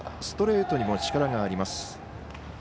ストレートにも力があります。